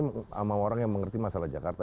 sama orang yang mengerti masalah jakarta